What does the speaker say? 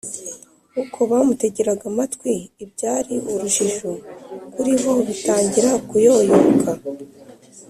. Uko bamutegeraga amatwi, ibyari urujijo kuri bo bitangira kuyoyoka.